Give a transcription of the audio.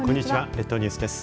列島ニュースです。